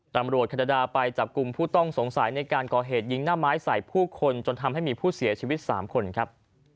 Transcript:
ตำรวจแคนาดาไปจับกลุ่มผู้ต้องสงสัยในการก่อเหตุยิงหน้าไม้ใส่ผู้คนจนทำให้มีผู้เสียชีวิต๓คนครับ